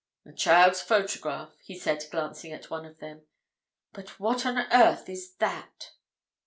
"A child's photograph," he said, glancing at one of them. "But what on earth is that?"